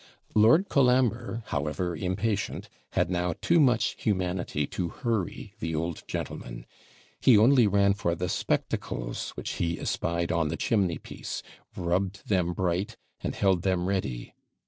Lord Colambre, however impatient, had now too much humanity to hurry the old gentleman; he only ran for the spectacles, which he espied on the chimney piece, rubbed them bright, and held them ready.